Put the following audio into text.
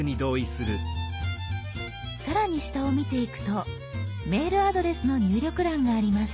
更に下を見ていくとメールアドレスの入力欄があります。